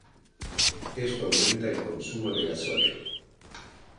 Esto aumenta el consumo de gasóleo.